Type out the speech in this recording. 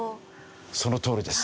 そのとおりです。